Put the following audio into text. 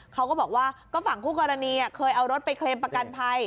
เขาก็บอกว่าก็ฝั่งคู่กรณีเคยเอารถไปเคลมประกันภัย